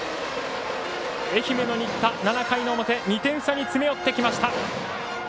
愛媛の新田、７回の表２点差に詰め寄ってきました。